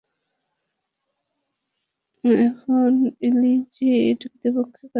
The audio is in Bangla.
এখন এলজিইডি কর্তৃপক্ষের কাছে আমাদের দাবি, দ্রুত স্কুল ভবনটি পরিত্যক্ত ঘোষণা করা হোক।